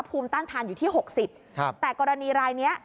ภูมิต้านทานอยู่ที่๖๐แต่กรณีรายนี้